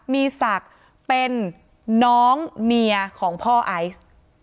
มีศักดิ์เป็นน้องเมียของพ่อไอซ์